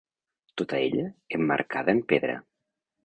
Tota ella emmarcada en pedra.